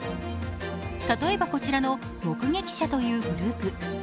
例えば、こちらの「目撃者」というグループ。